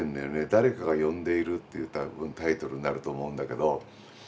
「だれかがよんでいる」っていう多分タイトルになると思うんだけど。